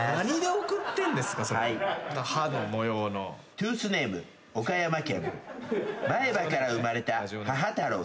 トゥースネーム岡山県前歯から生まれたハハタロウさん。